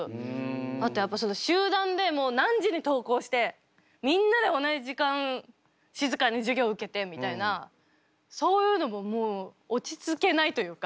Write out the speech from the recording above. あと集団で何時に登校してみんなで同じ時間静かに授業受けてみたいなそういうのももう落ち着けないというか。